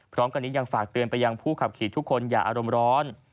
พร้อมกันนี้ยังฝากเตือนไปยังผู้ขับขี่ทุกคนอย่าอารมณ์ร้อน